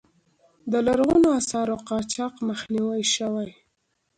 د لرغونو آثارو قاچاق مخنیوی شوی؟